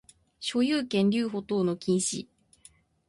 所有権留保等の禁止